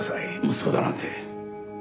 息子だなんて。